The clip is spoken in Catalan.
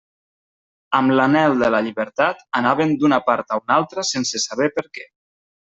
Amb l'anhel de la llibertat, anaven d'una part a una altra sense saber per què.